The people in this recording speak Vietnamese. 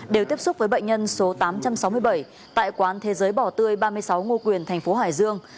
đều tiếp xúc với bệnh nhân số tám trăm sáu mươi bảy tại quán thế giới bỏ tươi ba mươi sáu ngô quyền thành phố hải dương